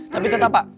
tapi tetap pak